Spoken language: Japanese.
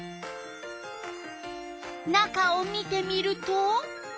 中を見てみると。